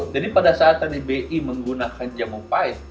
jadi pada saat rni bi menggunakan jamu pipe